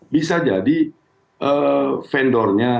bisa jadi vendornya